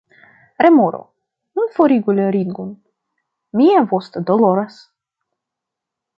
Remoro: "Nun forigu la ringon. Mia vosto doloras!"